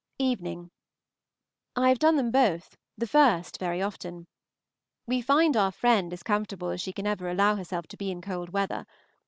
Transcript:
Evening. I have done them both, the first very often. We found our friend as comfortable as she can ever allow herself to be in cold weather.